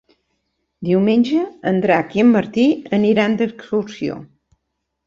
Diumenge en Drac i en Martí aniran d'excursió.